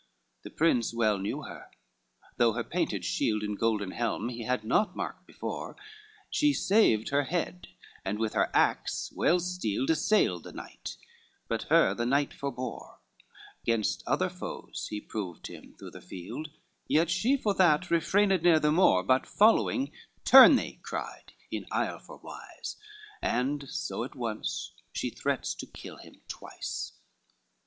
XXIII The prince well knew her, though her painted shield And golden helm he had not marked before, She saved her head, and with her axe well steeled Assailed the knight; but her the knight forbore, 'Gainst other foes he proved him through the field, Yet she for that refrained ne'er the more, But following, "Turn thee," cried, in ireful wise; And so at once she threats to kill him twice.